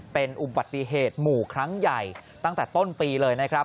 เป็นอุบัติเหตุหมู่ครั้งใหญ่ตั้งแต่ต้นปีเลยนะครับ